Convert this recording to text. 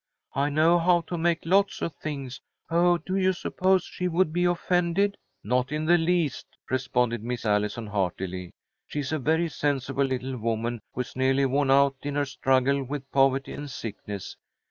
I know how to make lots of things. Oh, do you suppose she would be offended?" "Not in the least," responded Miss Allison, heartily. "She is a very sensible little woman who is nearly worn out in her struggle with poverty and sickness.